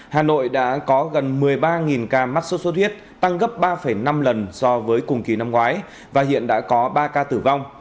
hà nội đã có gần một mươi ba ca mắc sốt xuất huyết tăng gấp ba năm lần so với cùng kỳ năm ngoái và hiện đã có ba ca tử vong